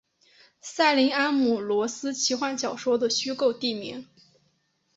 塞林安姆罗斯奇幻小说的虚构地名。